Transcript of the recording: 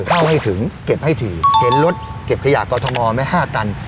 เข้าให้ถึงเก็บให้ถี่เห็นรถเก็บขยะกอทมไหมห้าตัน